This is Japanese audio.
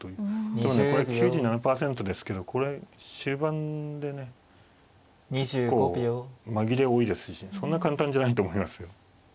でもねこれ９７％ですけどこれ終盤でね結構紛れ多いですしそんな簡単じゃないと思いますよ。